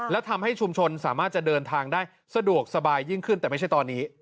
และทำให้ชุมชนสามารถจะเดินทางได้สะดวกสบายยิ่งขึ้นแต่ไม่ใช่ตอนนี้